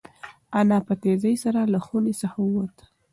انا په تېزۍ سره له خونې څخه ووته.